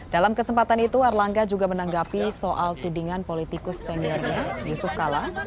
dalam kesempatan itu erlangga juga menanggapi soal tudingan politikus seniornya yusuf kala